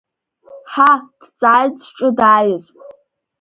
Ҳа дҵааит зҿы дааиз.